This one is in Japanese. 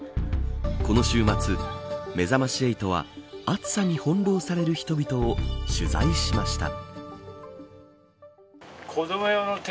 この週末、めざまし８は暑さに翻弄される人々を取材しました。